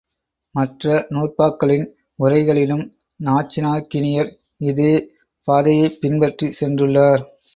மற்ற நூற்பாக்களின் உரைகளிலும் நச்சினார்க்கினியர் இதே பாதையைப் பின்பற்றிச் சென்றுள்ளார்.